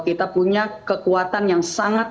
kita punya kekuatan yang sangat